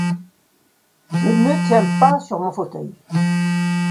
Je ne tiens pas sur mon fauteuil.